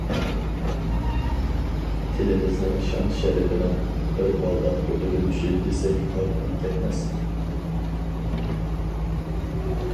تىلىمىزنىڭ شان-شەرىپىنىڭ بىر بالداق كۆتۈرۈلۈشى دېسەك ئارتۇق كەتمەس.